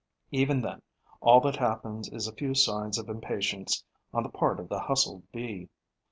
Even then, all that happens is a few signs of impatience on the part of the hustled Bee.